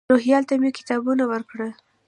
روهیال ته مې کتابونه ورکړل.